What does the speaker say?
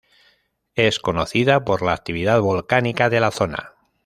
Es conocida por la actividad volcánica de la zona.